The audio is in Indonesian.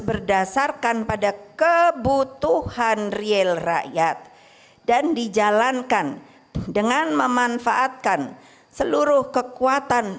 berdasarkan pada kebutuhan real rakyat dan dijalankan dengan memanfaatkan seluruh kekuatan